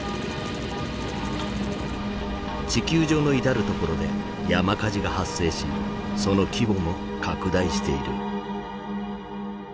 地球上の至る所で山火事が発生しその規模も拡大している。